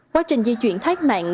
quá trình di chuyển thác nạn